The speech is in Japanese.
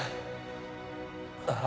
ああ。